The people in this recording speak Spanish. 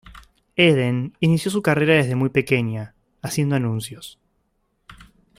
Eden inició su carrera desde muy pequeña, haciendo anuncios.